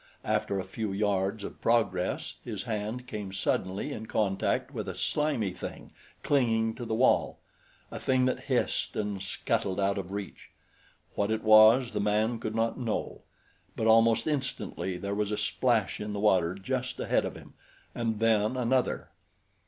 After a few yards of progress his hand came suddenly in contact with a slimy thing clinging to the wall a thing that hissed and scuttled out of reach. What it was, the man could not know; but almost instantly there was a splash in the water just ahead of him and then another.